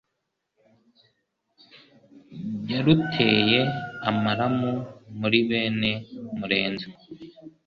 Yaruteye amaramu Muri bene Murenzi